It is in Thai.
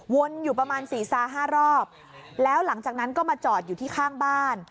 วนอยู่ประมาณสี่ซาห้ารอบแล้วหลังจากนั้นก็มาจอดอยู่ที่ข้างบ้าน